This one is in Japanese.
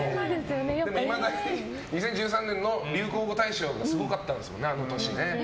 でも、いまだに２０１３年の流行語大賞がすごかったんですよね、あの年。